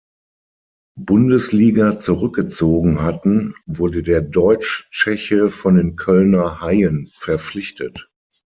Bundesliga zurückgezogen hatten, wurde der Deutsch-Tscheche von den Kölner Haien verpflichtet.